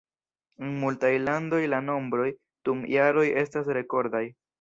En multaj landoj la nombroj dum jaroj estas rekordaj.